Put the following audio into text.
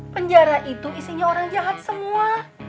penjara itu isinya orang jahat semua